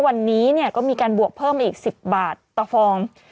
วันนี้ก็มีการบวกเพิ่มมาอีก๑๐บาทต่อฟอง